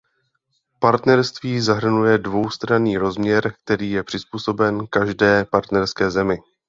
Partnerství zahrnuje dvoustranný rozměr, který je přizpůsoben každé partnerské zemi.